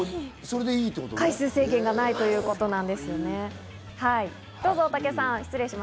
回数制限がないということなんです。